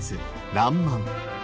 「らんまん」。